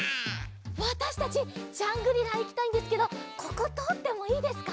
わたしたちジャングリラいきたいんですけどこことおってもいいですか？